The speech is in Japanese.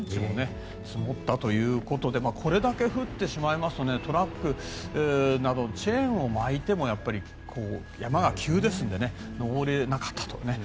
山中湖は５１ｃｍも積もったということでこれだけ降ってしまいますとトラックなどチェーンを巻いても山が急ですので上れなかったと。